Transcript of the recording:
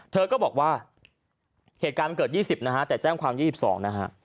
เธอก็บอกว่าเหตุการณ์มันเกิด๒๐นะฮะแต่แจ้งความ๒๒นะฮะ